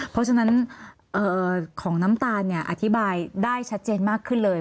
เพราะฉะนั้นของน้ำตาลอธิบายได้ชัดเจนมากขึ้นเลย